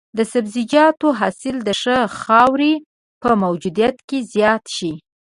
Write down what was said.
د سبزیجاتو حاصل د ښه خاورې په موجودیت کې زیات شي.